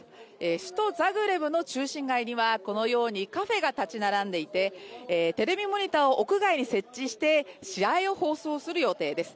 首都ザグレブの中心街にはこのようにカフェが立ち並んでいてテレビモニターを屋外に設置して試合を放送する予定です。